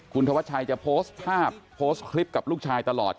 คุณธวัชชัยจะโพสต์ภาพโพสต์คลิปกับลูกชายตลอด